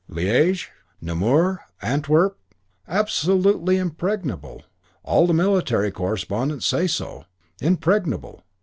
Liége, Namur, Antwerp absolutely impregnable, all the military correspondents say so. Impregnable.